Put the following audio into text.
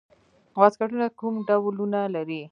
واسکټونه کوم ډولونه لري؟